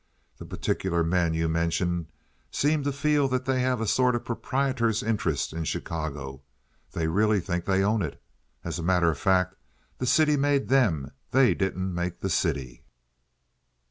The particular men you mention seem to feel that they have a sort of proprietor's interest in Chicago. They really think they own it. As a matter of fact, the city made them; they didn't make the city."